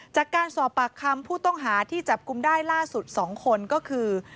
จากการสอบปากคำผู้ต้องหาที่จับกลุ่มได้ล่าสุด๒คนก็คือ